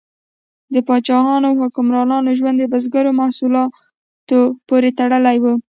د پاچاهانو او حکمرانانو ژوند د بزګرو محصولاتو پورې تړلی و.